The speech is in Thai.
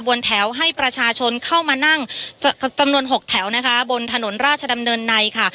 บนแถวให้ประชาชนเข้ามานั่งจำนวนหกแถวนะคะบนถนนราชดำเนินในค่ะ